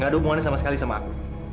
gak ada hubungannya sama sekali sama aku